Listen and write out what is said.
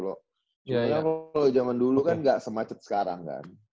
kalau zaman dulu kan enggak semacet sekarang kan